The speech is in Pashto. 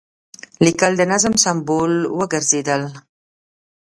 لیکل د نظم سمبول وګرځېدل.